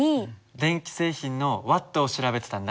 電気製品のＷを調べてたんだ。